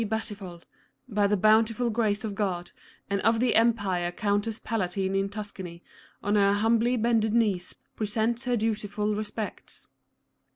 di Battifolle, oy the oountiful grace of God and of the Empire Countess Palatine in Tuscany, on her humbly oended Jcnees presents her dutiful respects.